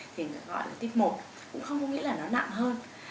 thì người gọi là tiếp một cũng không có nghĩa là nó nặng hơn